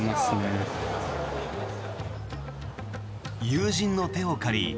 友人の手を借り